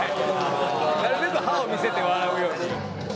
「なるべく歯を見せて笑うように」